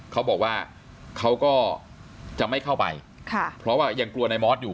เขาบอกว่าเขาก็จะไม่เข้าไปค่ะเพราะว่ายังกลัวนายมอสอยู่